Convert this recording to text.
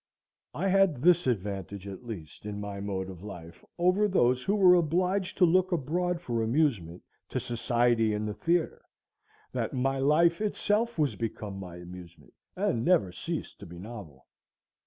I had this advantage, at least, in my mode of life, over those who were obliged to look abroad for amusement, to society and the theatre, that my life itself was become my amusement and never ceased to be novel.